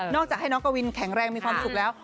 จากให้น้องกวินแข็งแรงมีความสุขแล้ว